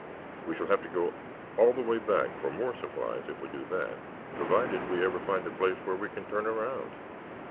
We shall have to go all the way back for more supplies if we do that, provided we ever find a place where we can turn around."